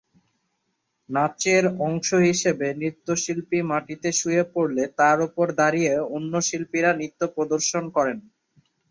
নাচের অংশ হিসেবে নৃত্যশিল্পী মাটিতে শুয়ে পড়লে তার ওপর দাঁড়িয়ে অন্য শিল্পীরা নৃত্য প্রদর্শন করেন।